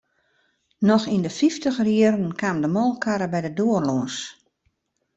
Noch yn 'e fyftiger jierren kaam de molkekarre by de doar lâns.